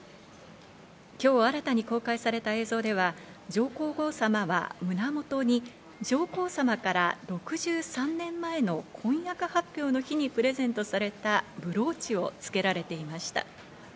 今日新たに公開された映像では上皇后さまは胸元に上皇さまから６３年前の婚約発表の日にプレゼントされたブローチをつけられていました。